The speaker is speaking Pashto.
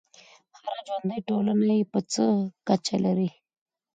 هره ژوندی ټولنه یې په څه کچه لري.